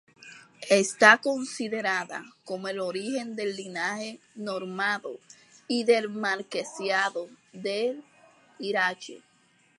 Está considerada como el origen del linaje normando y del marquesado de Irache.